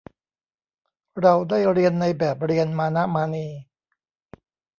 เราได้เรียนในแบบเรียนมานะมานี